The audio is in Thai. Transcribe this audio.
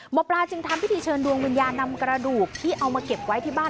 หมอปลาจึงทำพิธีเชิญดวงวิญญาณนำกระดูกที่เอามาเก็บไว้ที่บ้าน